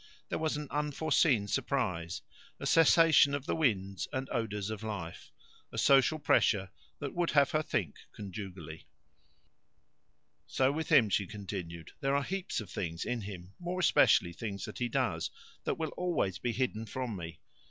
There was an unforeseen surprise, a cessation of the winds and odours of life, a social pressure that would have her think conjugally. "So with him," she continued. "There are heaps of things in him more especially things that he does that will always be hidden from me.